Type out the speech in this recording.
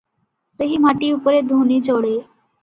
ସେହି ମାଟି ଉପରେ ଧୂନି ଜଳେ ।